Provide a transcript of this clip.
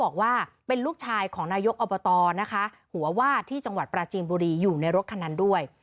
ของนายกอะบาตอร์นะคะหัววาดที่จังหวัดปาลาจีนบุรีอยู่ในรถขนนั้นด้วย